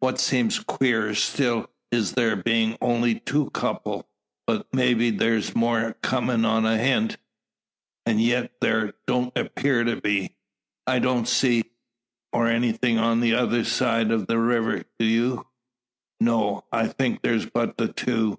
What seem queerier still is thar bein' only two kupple; but maybe there's more comin' on ahint. An' yet thar don't appear to be. I don't see stime o' anythin' on tother side the river. Kin you?" "No. I think there's but the two.